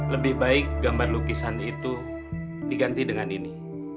lebih baik gambar lukisan itu diganti dengan ini